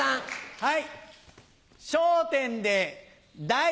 はい。